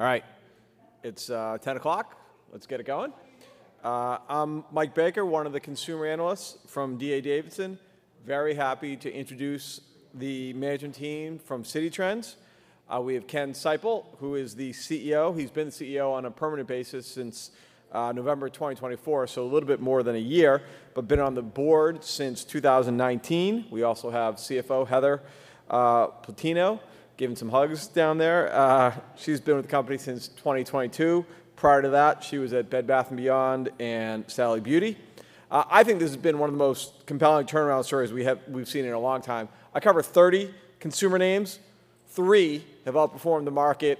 All right. It's 10:00 A.M. Let's get it going. I'm Mike Baker, one of the consumer analysts from D.A. Davidson. Very happy to introduce the management team from Citi Trends. We have Ken Seipel, who is the CEO. He's been the CEO on a permanent basis since November 2024, so a little bit more than a year, but been on the board since 2019. We also have CFO Heather Plutino, giving some hugs down there. She's been with the company since 2022. Prior to that, she was at Bed Bath & Beyond and Sally Beauty. I think this has been one of the most compelling turnaround stories we've seen in a long time. I cover 30 consumer names. Three have outperformed the market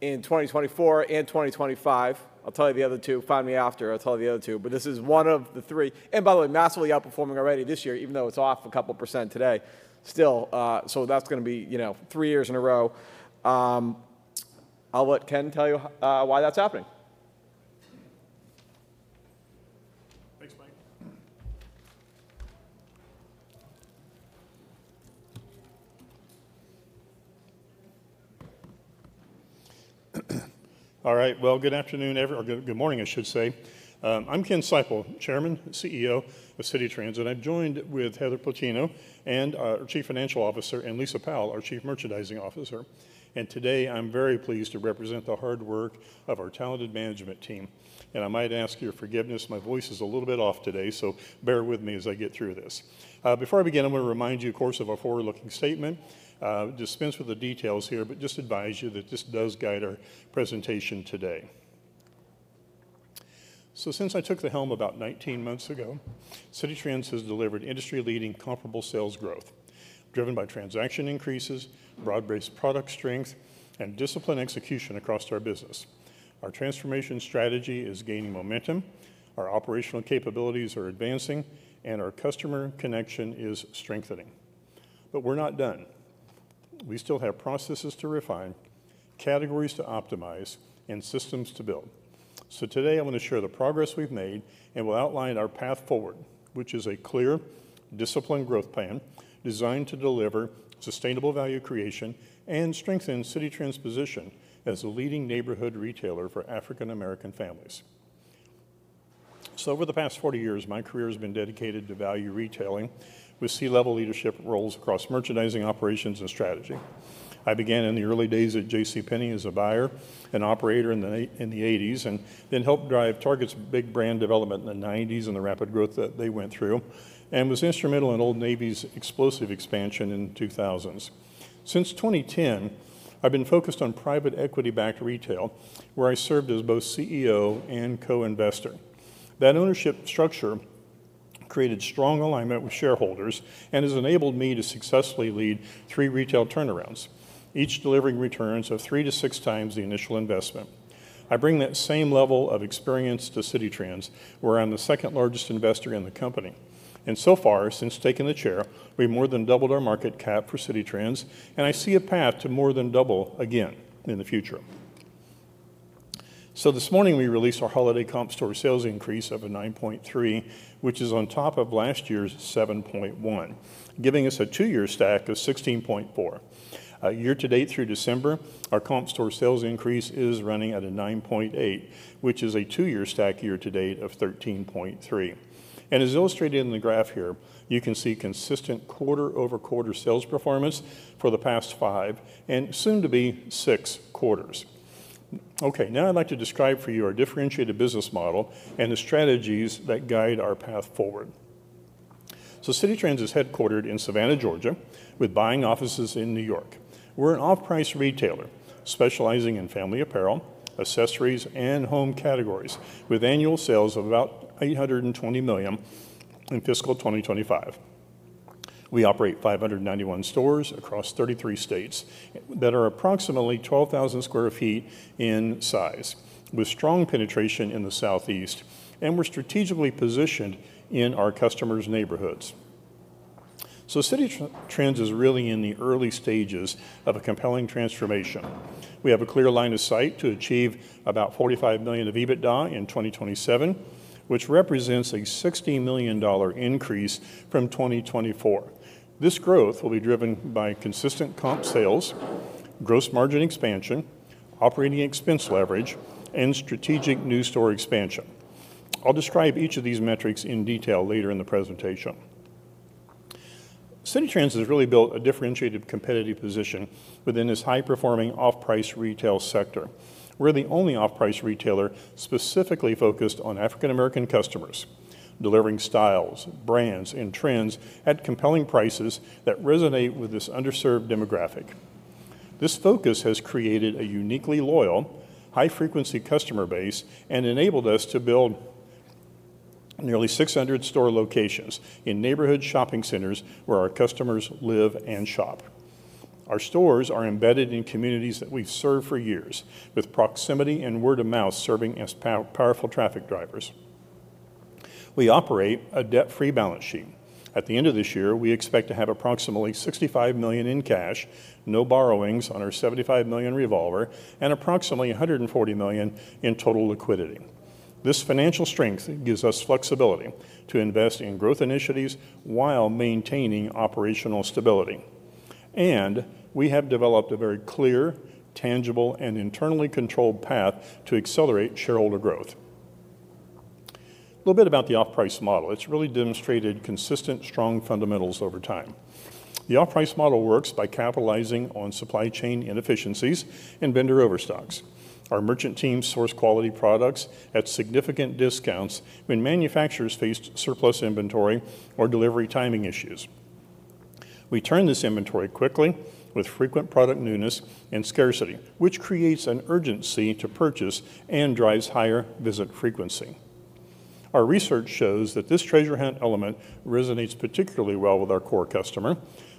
in 2024 and 2025. I'll tell you the other two. Find me after. I'll tell you the other two. But this is one of the three. And by the way, massively outperforming already this year, even though it's off a couple% today. Still, so that's going to be three years in a row. I'll let Ken tell you why that's happening. Thanks, Mike. All right. Well, good afternoon, everyone. Or good morning, I should say. I'm Ken Seipel, Chairman, CEO of Citi Trends. And I've joined with Heather Plutino, and our Chief Financial Officer and Lisa Powell, our Chief Merchandising Officer. And today, I'm very pleased to represent the hard work of our talented management team. And I might ask your forgiveness. My voice is a little bit off today, so bear with me as I get through this. Before I begin, I want to remind you, of course, of our forward-looking statement. Dispense with the details here, but just advise you that this does guide our presentation today. So since I took the helm about 19 months ago, Citi Trends has delivered industry-leading comparable sales growth, driven by transaction increases, broad-based product strength, and disciplined execution across our business. Our transformation strategy is gaining momentum, our operational capabilities are advancing, and our customer connection is strengthening. But we're not done. We still have processes to refine, categories to optimize, and systems to build. So today, I want to share the progress we've made and will outline our path forward, which is a clear, disciplined growth plan designed to deliver sustainable value creation and strengthen Citi Trends' position as a leading neighborhood retailer for African-American families. So over the past 40 years, my career has been dedicated to value retailing with C-level leadership roles across merchandising operations and strategy. I began in the early days at J.C. Penney as a buyer and operator in the 1980s and then helped drive Target's big brand development in the 1990s and the rapid growth that they went through and was instrumental in Old Navy's explosive expansion in the 2000s. Since 2010, I've been focused on private equity-backed retail, where I served as both CEO and co-investor. That ownership structure created strong alignment with shareholders and has enabled me to successfully lead three retail turnarounds, each delivering returns of three to six times the initial investment. I bring that same level of experience to Citi Trends, where I'm the second-largest investor in the company. And so far, since taking the chair, we've more than doubled our market cap for Citi Trends, and I see a path to more than double again in the future. So this morning, we released our holiday comp store sales increase of 9.3%, which is on top of last year's 7.1%, giving us a two-year stack of 16.4%. Year-to-date through December, our comp store sales increase is running at 9.8%, which is a two-year stack year-to-date of 13.3%. and as illustrated in the graph here, you can see consistent quarter-over-quarter sales performance for the past five and soon-to-be six quarters. Okay. Now I'd like to describe for you our differentiated business model and the strategies that guide our path forward. so Citi Trends is headquartered in Savannah, Georgia, with buying offices in New York. We're an off-price retailer specializing in family apparel, accessories, and home categories, with annual sales of about $820 million in fiscal 2025. We operate 591 stores across 33 states that are approximately 12,000 sq ft in size, with strong penetration in the Southeast, and we're strategically positioned in our customers' neighborhoods. so Citi Trends is really in the early stages of a compelling transformation. We have a clear line of sight to achieve about $45 million of EBITDA in 2027, which represents a $16 million increase from 2024. This growth will be driven by consistent comp sales, gross margin expansion, operating expense leverage, and strategic new store expansion. I'll describe each of these metrics in detail later in the presentation. Citi Trends has really built a differentiated competitive position within this high-performing off-price retail sector. We're the only off-price retailer specifically focused on African-American customers, delivering styles, brands, and trends at compelling prices that resonate with this underserved demographic. This focus has created a uniquely loyal, high-frequency customer base and enabled us to build nearly 600 store locations in neighborhood shopping centers where our customers live and shop. Our stores are embedded in communities that we've served for years, with proximity and word of mouth serving as powerful traffic drivers. We operate a debt-free balance sheet. At the end of this year, we expect to have approximately $65 million in cash, no borrowings on our $75 million revolver, and approximately $140 million in total liquidity. This financial strength gives us flexibility to invest in growth initiatives while maintaining operational stability, and we have developed a very clear, tangible, and internally controlled path to accelerate shareholder growth. A little bit about the off-price model. It's really demonstrated consistent, strong fundamentals over time. The off-price model works by capitalizing on supply chain inefficiencies and vendor overstocks. Our merchant teams source quality products at significant discounts when manufacturers face surplus inventory or delivery timing issues. We turn this inventory quickly with frequent product newness and scarcity, which creates an urgency to purchase and drives higher visit frequency. Our research shows that this treasure hunt element resonates particularly well with our core customer,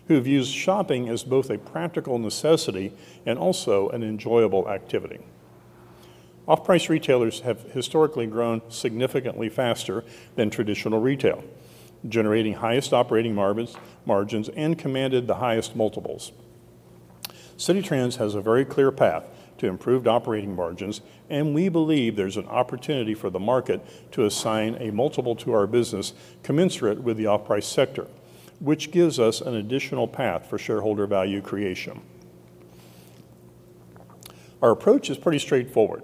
who views shopping as both a practical necessity and also an enjoyable activity. Off-price retailers have historically grown significantly faster than traditional retail, generating highest operating margins and commanded the highest multiples. Citi Trends has a very clear path to improved operating margins, and we believe there's an opportunity for the market to assign a multiple to our business commensurate with the off-price sector, which gives us an additional path for shareholder value creation. Our approach is pretty straightforward.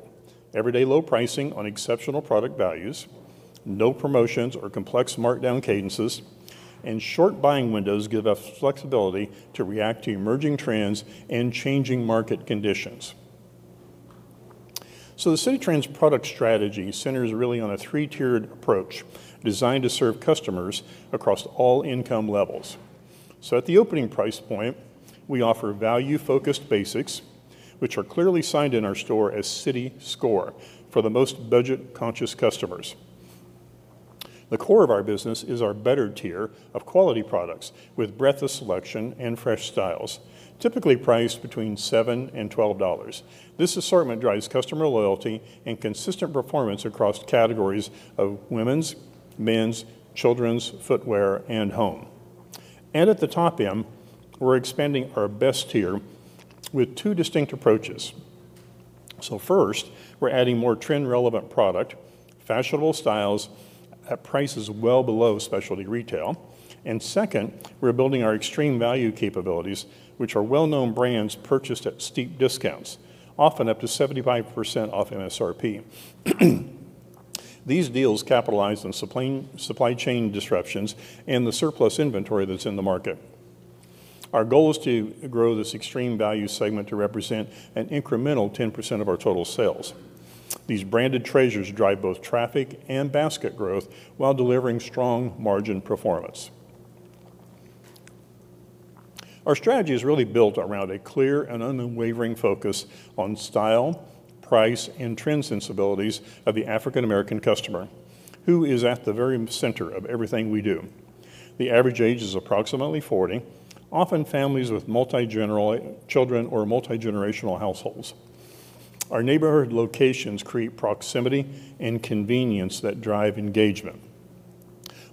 Everyday low pricing on exceptional product values, no promotions or complex markdown cadences, and short buying windows give us flexibility to react to emerging trends and changing market conditions. So the Citi Trends product strategy centers really on a three-tiered approach designed to serve customers across all income levels. At the opening price point, we offer value-focused basics, which are clearly signed in our store as Citi Score for the most budget-conscious customers. The core of our business is our better tier of quality products with breadth of selection and fresh styles, typically priced between $7-$12. This assortment drives customer loyalty and consistent performance across categories of women's, men's, children's, footwear, and home. At the top end, we're expanding our best tier with two distinct approaches. First, we're adding more trend-relevant product, fashionable styles at prices well below specialty retail. Second, we're building our extreme value capabilities, which are well-known brands purchased at steep discounts, often up to 75% off MSRP. These deals capitalize on supply chain disruptions and the surplus inventory that's in the market. Our goal is to grow this extreme value segment to represent an incremental 10% of our total sales. These branded treasures drive both traffic and basket growth while delivering strong margin performance. Our strategy is really built around a clear and unwavering focus on style, price, and trends and abilities of the African-American customer, who is at the very center of everything we do. The average age is approximately 40, often families with multi-generational children or multi-generational households. Our neighborhood locations create proximity and convenience that drive engagement.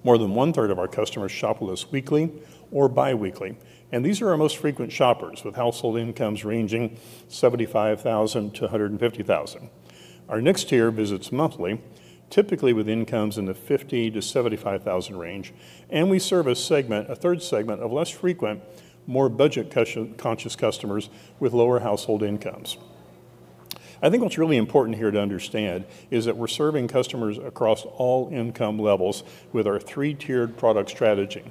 More than one-third of our customers shop with us weekly or biweekly, and these are our most frequent shoppers with household incomes ranging from $75,000-$150,000. Our next tier visits monthly, typically with incomes in the $50,000-$75,000 range, and we serve a third segment of less frequent, more budget-conscious customers with lower household incomes. I think what's really important here to understand is that we're serving customers across all income levels with our three-tiered product strategy.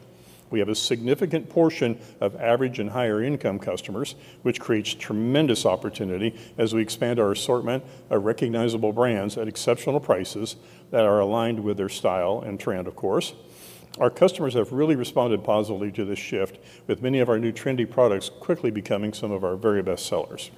We have a significant portion of average and higher-income customers, which creates tremendous opportunity as we expand our assortment of recognizable brands at exceptional prices that are aligned with their style and trend, of course. Our customers have really responded positively to this shift, with many of our new trendy products quickly becoming some of our very best sellers.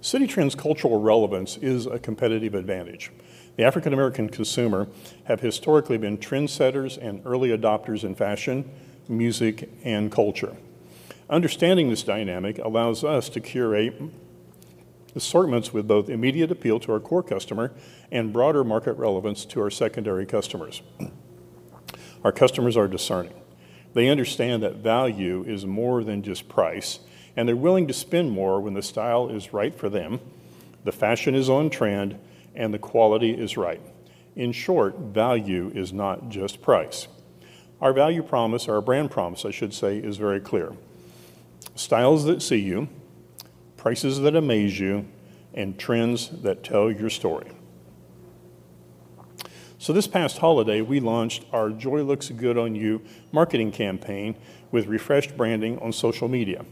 Citi Trends' cultural relevance is a competitive advantage. The African-American consumer has historically been trendsetters and early adopters in fashion, music, and culture. Understanding this dynamic allows us to curate assortments with both immediate appeal to our core customer and broader market relevance to our secondary customers. Our customers are discerning. They understand that value is more than just price, and they're willing to spend more when the style is right for them, the fashion is on trend, and the quality is right. In short, value is not just price. Our value promise, our brand promise, I should say, is very clear: styles that see you, prices that amaze you, and trends that tell your story. So this past holiday, we launched our Joy Looks Good on You marketing campaign with refreshed branding on social media.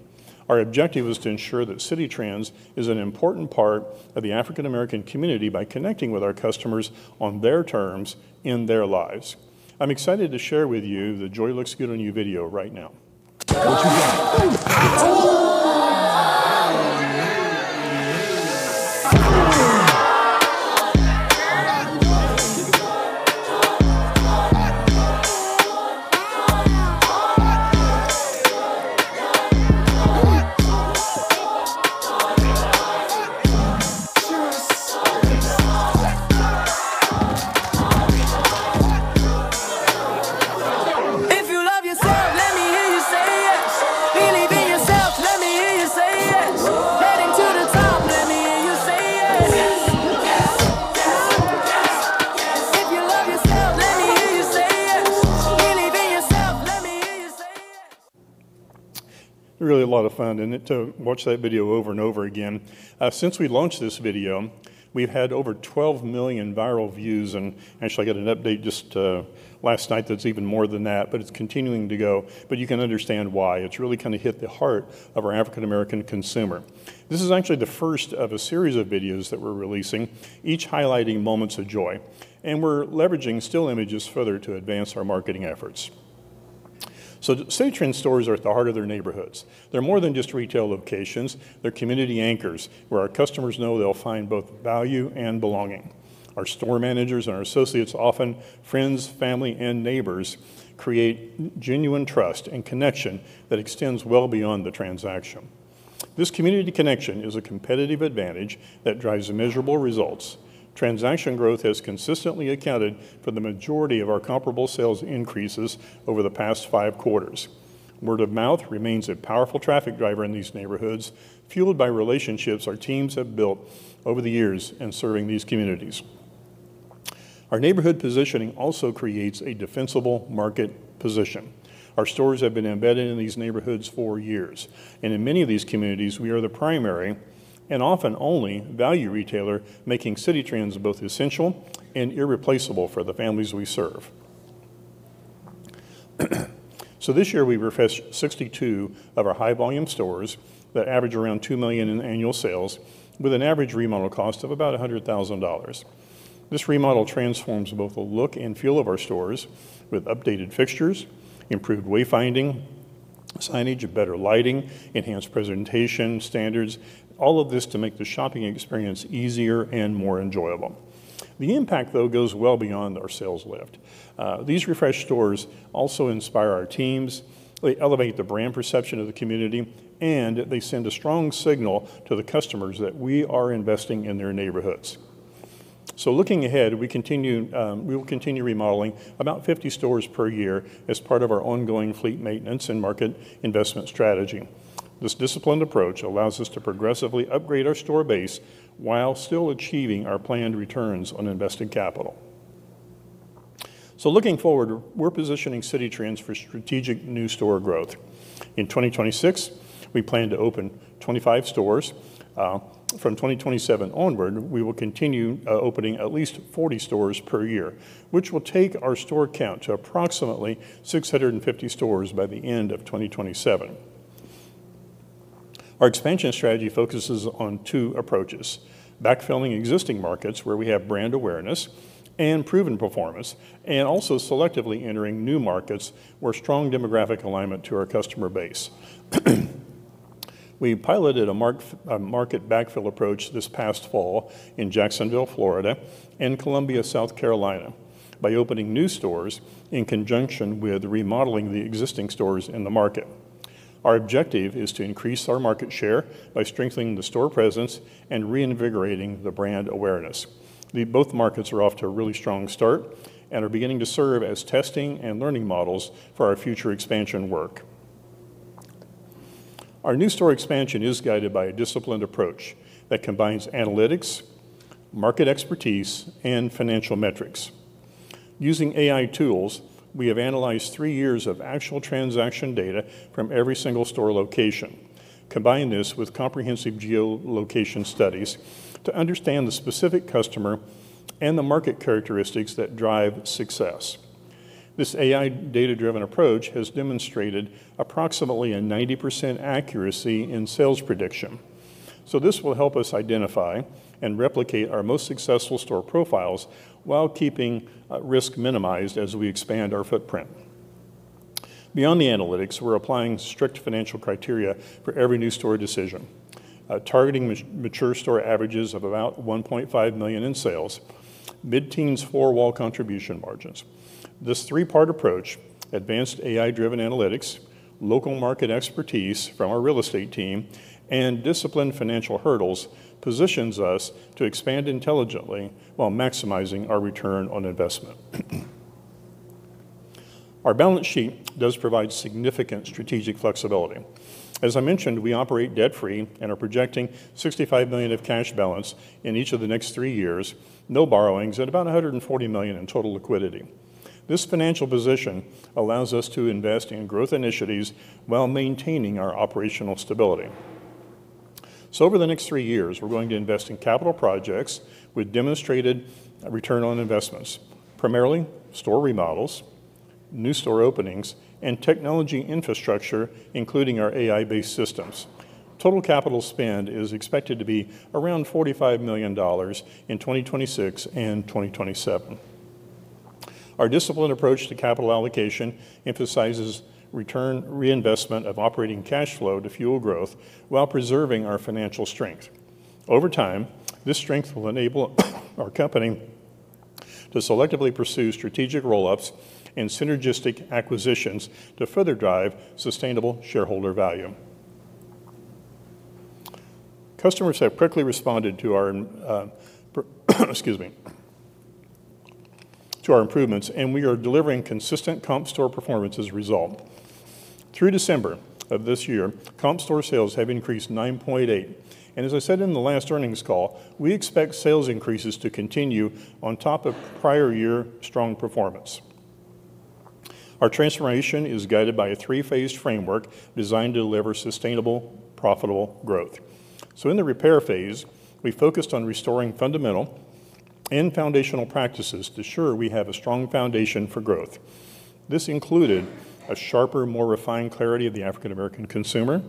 Our objective is to ensure that Citi Trends is an important part of the African-American community by connecting with our customers on their terms in their lives. I'm excited to share with you the Joy Looks Good on You video right now. If you love yourself, let me hear you say yes. Believe in yourself, let me hear you say yes. Heading to the top, let me hear you say yes. If you love yourself, let me hear you say yes. Believe in yourself, let me hear you say yes. Really a lot of fun to watch that video over and over again. Since we launched this video, we've had over 12 million viral views, and actually, I got an update just last night that's even more than that, but it's continuing to go. But you can understand why. It's really kind of hit the heart of our African-American consumer. This is actually the first of a series of videos that we're releasing, each highlighting moments of joy. And we're leveraging still images further to advance our marketing efforts. So Citi Trends' stores are at the heart of their neighborhoods. They're more than just retail locations. They're community anchors where our customers know they'll find both value and belonging. Our store managers and our associates, often friends, family, and neighbors, create genuine trust and connection that extends well beyond the transaction. This community connection is a competitive advantage that drives measurable results. Transaction growth has consistently accounted for the majority of our comparable sales increases over the past five quarters. Word of mouth remains a powerful traffic driver in these neighborhoods, fueled by relationships our teams have built over the years in serving these communities. Our neighborhood positioning also creates a defensible market position. Our stores have been embedded in these neighborhoods for years, and in many of these communities, we are the primary and often only value retailer, making Citi Trends both essential and irreplaceable for the families we serve, so this year, we refreshed 62 of our high-volume stores that average around $2 million in annual sales, with an average remodel cost of about $100,000. This remodel transforms both the look and feel of our stores with updated fixtures, improved wayfinding, signage, better lighting, enhanced presentation standards, all of this to make the shopping experience easier and more enjoyable. The impact, though, goes well beyond our sales lift. These refreshed stores also inspire our teams. They elevate the brand perception of the community, and they send a strong signal to the customers that we are investing in their neighborhoods. So looking ahead, we will continue remodeling about 50 stores per year as part of our ongoing fleet maintenance and market investment strategy. This disciplined approach allows us to progressively upgrade our store base while still achieving our planned returns on invested capital. So looking forward, we're positioning Citi Trends for strategic new store growth. In 2026, we plan to open 25 stores. From 2027 onward, we will continue opening at least 40 stores per year, which will take our store count to approximately 650 stores by the end of 2027. Our expansion strategy focuses on two approaches: backfilling existing markets where we have brand awareness and proven performance, and also selectively entering new markets where strong demographic alignment to our customer base. We piloted a market backfill approach this past fall in Jacksonville, Florida, and Columbia, South Carolina, by opening new stores in conjunction with remodeling the existing stores in the market. Our objective is to increase our market share by strengthening the store presence and reinvigorating the brand awareness. Both markets are off to a really strong start and are beginning to serve as testing and learning models for our future expansion work. Our new store expansion is guided by a disciplined approach that combines analytics, market expertise, and financial metrics. Using AI tools, we have analyzed three years of actual transaction data from every single store location. Combine this with comprehensive geolocation studies to understand the specific customer and the market characteristics that drive success. This AI data-driven approach has demonstrated approximately a 90% accuracy in sales prediction, so this will help us identify and replicate our most successful store profiles while keeping risk minimized as we expand our footprint. Beyond the analytics, we're applying strict financial criteria for every new store decision, targeting mature store averages of about $1.5 million in sales, mid-teens for gross contribution margins. This three-part approach, advanced AI-driven analytics, local market expertise from our real estate team, and disciplined financial hurdles positions us to expand intelligently while maximizing our return on investment. Our balance sheet does provide significant strategic flexibility. As I mentioned, we operate debt-free and are projecting $65 million cash balance in each of the next three years, no borrowings, and about $140 million in total liquidity. This financial position allows us to invest in growth initiatives while maintaining our operational stability. So over the next three years, we're going to invest in capital projects with demonstrated return on investments, primarily store remodels, new store openings, and technology infrastructure, including our AI-based systems. Total capital spend is expected to be around $45 million in 2026 and 2027. Our disciplined approach to capital allocation emphasizes return reinvestment of operating cash flow to fuel growth while preserving our financial strength. Over time, this strength will enable our company to selectively pursue strategic roll-ups and synergistic acquisitions to further drive sustainable shareholder value. Customers have quickly responded to our improvements, and we are delivering consistent comp store performance as a result. Through December of this year, comp store sales have increased 9.8%. And as I said in the last earnings call, we expect sales increases to continue on top of prior year strong performance. Our transformation is guided by a three-phased framework designed to deliver sustainable, profitable growth. So in the repair phase, we focused on restoring fundamental and foundational practices to ensure we have a strong foundation for growth. This included a sharper, more refined clarity of the African-American consumer,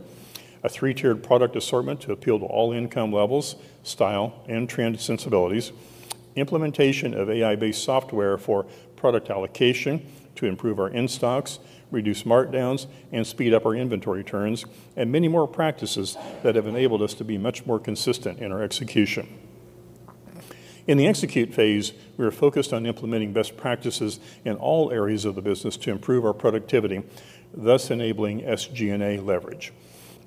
a three-tiered product assortment to appeal to all income levels, style, and trend sensibilities, implementation of AI-based software for product allocation to improve our in-stocks, reduce markdowns, and speed up our inventory turns, and many more practices that have enabled us to be much more consistent in our execution. In the execute phase, we are focused on implementing best practices in all areas of the business to improve our productivity, thus enabling SG&A leverage.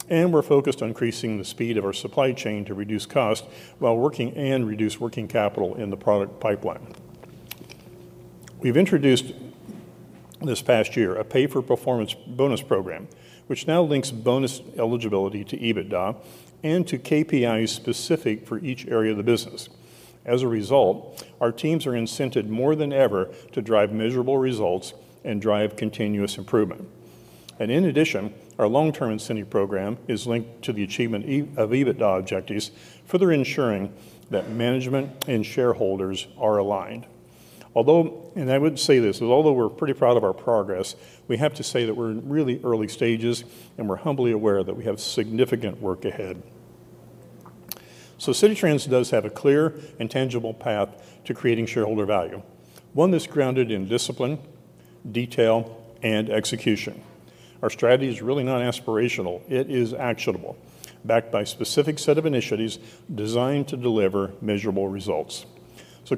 And we're focused on increasing the speed of our supply chain to reduce cost while working and reduce working capital in the product pipeline. We've introduced this past year a pay-for-performance bonus program, which now links bonus eligibility to EBITDA and to KPIs specific for each area of the business. As a result, our teams are incented more than ever to drive measurable results and drive continuous improvement. And in addition, our long-term incentive program is linked to the achievement of EBITDA objectives, further ensuring that management and shareholders are aligned. And I would say this, although we're pretty proud of our progress, we have to say that we're in really early stages, and we're humbly aware that we have significant work ahead. Citi Trends does have a clear and tangible path to creating shareholder value, one that's grounded in discipline, detail, and execution. Our strategy is really not aspirational. It is actionable, backed by a specific set of initiatives designed to deliver measurable results.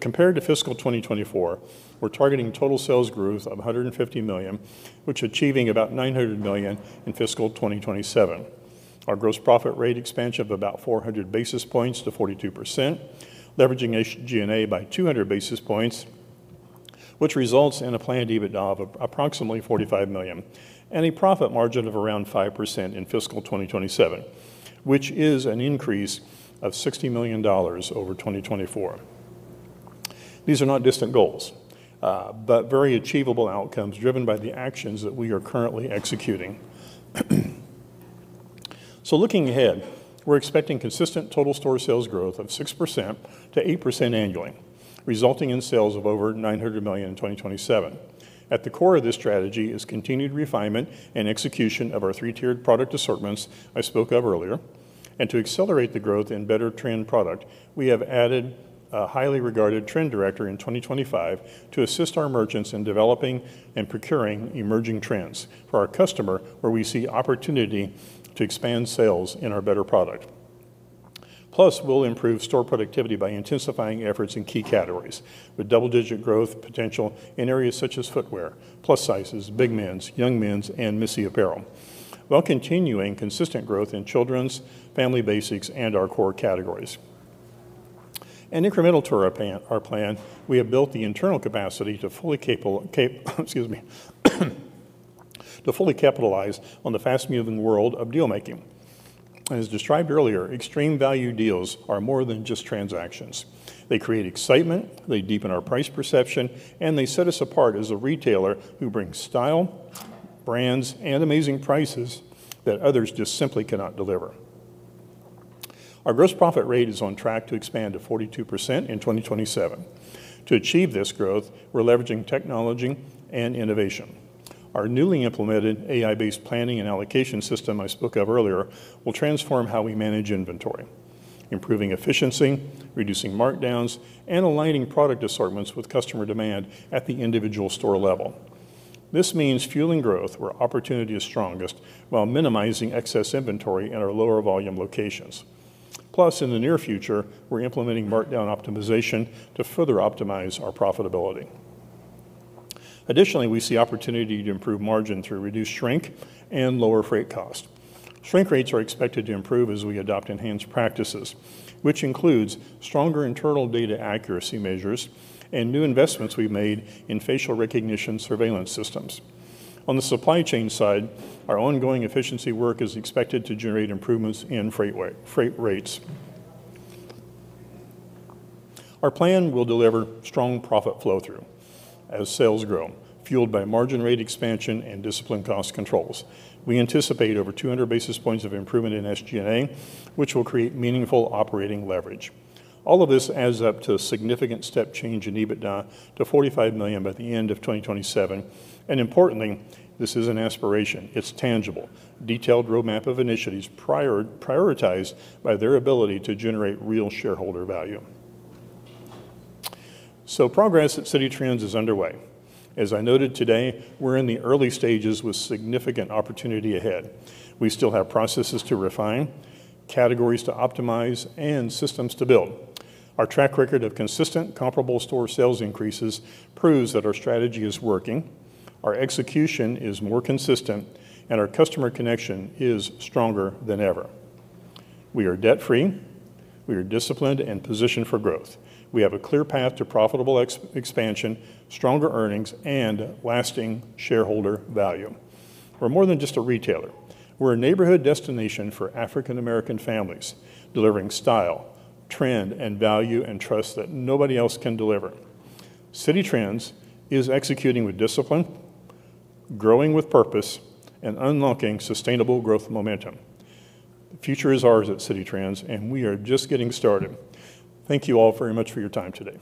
Compared to fiscal 2024, we're targeting total sales growth of $150 million, which is achieving about $900 million in fiscal 2027. Our gross profit rate expansion of about 400 basis points to 42%, leveraging SG&A by 200 basis points, which results in a planned EBITDA of approximately $45 million and a profit margin of around 5% in fiscal 2027, which is an increase of $60 million over 2024. These are not distant goals, but very achievable outcomes driven by the actions that we are currently executing. So looking ahead, we're expecting consistent total store sales growth of 6%-8% annually, resulting in sales of over $900 million in 2027. At the core of this strategy is continued refinement and execution of our three-tiered product assortments I spoke of earlier. And to accelerate the growth and better trend product, we have added a highly regarded trend director in 2025 to assist our merchants in developing and procuring emerging trends for our customer, where we see opportunity to expand sales in our better product. Plus, we'll improve store productivity by intensifying efforts in key categories with double-digit growth potential in areas such as footwear, plus sizes, big men's, young men's, and missy apparel, while continuing consistent growth in children's, family basics, and our core categories. And incremental to our plan, we have built the internal capacity to fully capitalize on the fast-moving world of deal-making. As described earlier, extreme value deals are more than just transactions. They create excitement, they deepen our price perception, and they set us apart as a retailer who brings style, brands, and amazing prices that others just simply cannot deliver. Our gross profit rate is on track to expand to 42% in 2027. To achieve this growth, we're leveraging technology and innovation. Our newly implemented AI-based planning and allocation system I spoke of earlier will transform how we manage inventory, improving efficiency, reducing markdowns, and aligning product assortments with customer demand at the individual store level. This means fueling growth where opportunity is strongest while minimizing excess inventory in our lower volume locations. Plus, in the near future, we're implementing markdown optimization to further optimize our profitability. Additionally, we see opportunity to improve margin through reduced shrink and lower freight costs. Shrink rates are expected to improve as we adopt enhanced practices, which includes stronger internal data accuracy measures and new investments we've made in facial recognition surveillance systems. On the supply chain side, our ongoing efficiency work is expected to generate improvements in freight rates. Our plan will deliver strong profit flow-through as sales grow, fueled by margin rate expansion and discipline cost controls. We anticipate over 200 basis points of improvement in SG&A, which will create meaningful operating leverage. All of this adds up to a significant step change in EBITDA to $45 million by the end of 2027, and importantly, this is an aspiration. It's tangible, detailed roadmap of initiatives prioritized by their ability to generate real shareholder value, so progress at Citi Trends is underway. As I noted today, we're in the early stages with significant opportunity ahead. We still have processes to refine, categories to optimize, and systems to build. Our track record of consistent, comparable store sales increases proves that our strategy is working, our execution is more consistent, and our customer connection is stronger than ever. We are debt-free. We are disciplined and positioned for growth. We have a clear path to profitable expansion, stronger earnings, and lasting shareholder value. We're more than just a retailer. We're a neighborhood destination for African-American families, delivering style, trend, and value and trust that nobody else can deliver. Citi Trends is executing with discipline, growing with purpose, and unlocking sustainable growth momentum. The future is ours at Citi Trends, and we are just getting started. Thank you all very much for your time today.